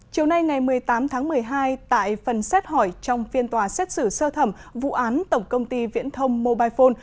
chiều nay ngày một mươi tám tháng một mươi hai tại phần xét hỏi trong phiên tòa xét xử sơ thẩm vụ án tổng công ty viễn thông mobile phone